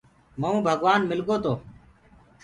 مئونٚ ڀگوآن مِلگو تو